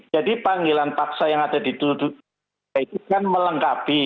jadi panggilan paksa yang ada di tuduh tidak itu kan melengkapi